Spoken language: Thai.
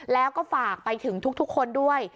แล้วก็ฝากไปถึงทุกคนด้วย